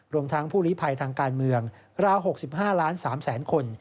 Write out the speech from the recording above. รวมทั้งผู้ลิภัยทางการเมืองราว๖๕ล้าน๓แสนคน